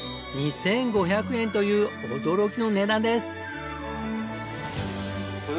２５００円という驚きの値段です。